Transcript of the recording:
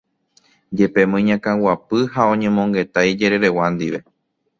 jepémo iñakãguapy ha oñemongeta ijereregua ndive.